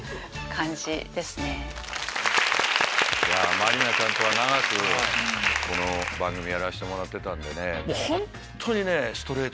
満里奈ちゃんとは長くこの番組やらせてもらってた。